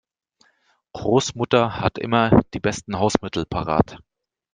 Großmutter hat immer die besten Hausmittel parat.